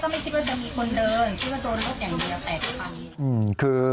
ก็พวกตอนแรกก็ไม่คิดว่าจะมีคนเดิน